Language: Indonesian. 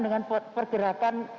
dengan pergerakan ekonomi